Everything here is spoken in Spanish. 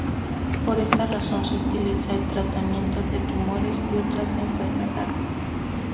Por esta razón, se utiliza en el tratamiento de tumores y otras enfermedades.